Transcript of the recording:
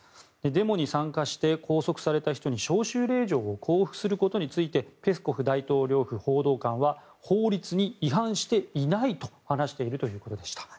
デモに参加して拘束された人に招集令状を交付することについてペスコフ大統領府報道官は法律に違反していないと話しているということでした。